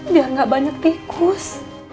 biar gak banyak tikus